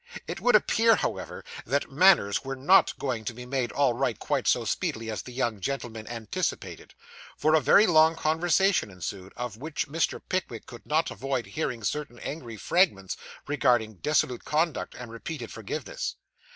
It would appear, however, that matters were not going to be made all right quite so speedily as the young gentleman anticipated; for a very long conversation ensued, of which Mr. Pickwick could not avoid hearing certain angry fragments regarding dissolute conduct, and repeated forgiveness.